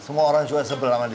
semua orang juga sebel sama dia